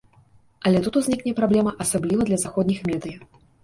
Але тут узнікне праблема, асабліва для заходніх медыя.